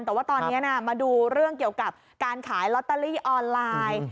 แต่ว่าตอนนี้มาดูเรื่องเกี่ยวกับการขายลอตเตอรี่ออนไลน์